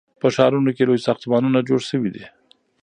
په ښارونو کې لوی ساختمانونه جوړ سوي دي.